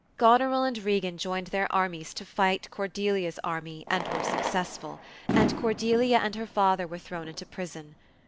^ Goneril and Regan joined their armies to fight Cordelia's army, and were successful : and Cordelia and her father were thrown into prison.